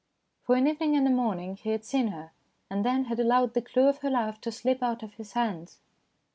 For an evening and a morning he had seen her, and then had allowed the clue of her life to slip out of his hands.